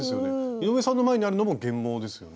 井上さんの前にあるのも原毛ですよね？